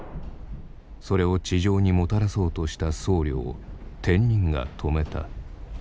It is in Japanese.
それを地上にもたらそうとした僧侶を天人が止めた。